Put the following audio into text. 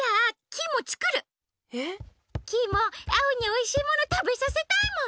えっ？キイもアオにおいしいものたべさせたいもん。